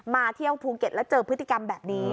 เที่ยวภูเก็ตแล้วเจอพฤติกรรมแบบนี้